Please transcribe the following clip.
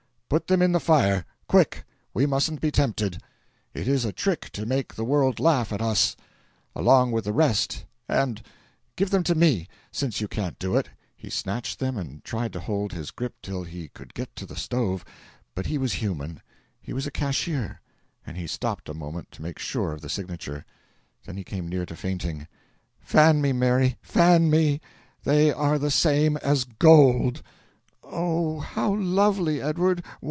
"Put them in the fire! quick! we mustn't be tempted. It is a trick to make the world laugh at US, along with the rest, and Give them to ME, since you can't do it!" He snatched them and tried to hold his grip till he could get to the stove; but he was human, he was a cashier, and he stopped a moment to make sure of the signature. Then he came near to fainting. "Fan me, Mary, fan me! They are the same as gold!" "Oh, how lovely, Edward!